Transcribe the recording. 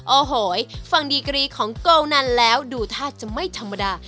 โอ้โหฟังดีกรีของโกนันแล้วดูท่าจะไม่ธรรมดา